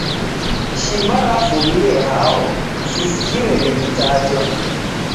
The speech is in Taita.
Shimba rafumie hao? Sisikire rikitajwa.